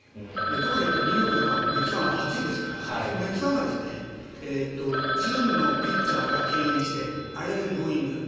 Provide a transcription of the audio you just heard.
特にニューヨークのファンメッツファンは熱いですからメッツファンが自軍のピッチャーが敬遠してあれだけのブーイング。